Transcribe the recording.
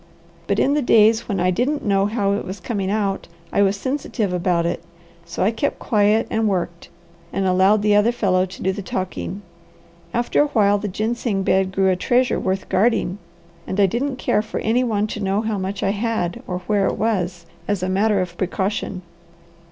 "But in the days when I didn't know how it was coming out, I was sensitive about it; so I kept quiet and worked, and allowed the other fellow to do the talking. After a while the ginseng bed grew a treasure worth guarding, and I didn't care for any one to know how much I had or where it was, as a matter of precaution.